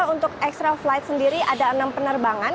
untuk extra flight sendiri ada enam penerbangan